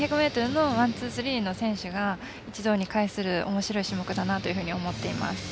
４００ｍのワン、ツー、スリーの選手が一堂に会するおもしろい種目だなというふうに思っています。